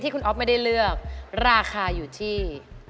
คุณอ๊อฟไม่ได้เลือกราคาอยู่ที่